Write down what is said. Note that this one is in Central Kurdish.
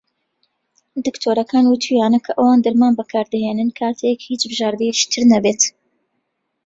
دکتۆرەکان وتوویانە کە ئەوان دەرمان بەکار دەهێنن کاتێک "هیچ بژاردەیەکی تر نەبێت".